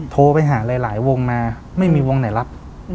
โทรไปหาหลายวงมาไม่มีวงไหนรับ